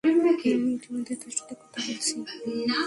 আমি ইতিমধ্যে তার সাথে কথা বলছি।